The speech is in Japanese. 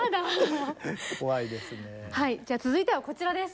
はいじゃあ続いてはこちらです！